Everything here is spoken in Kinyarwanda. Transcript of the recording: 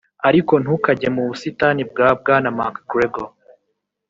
ariko ntukajye mu busitani bwa bwana mcgregor: